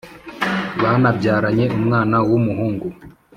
banabyaranye umwana w’umuhungu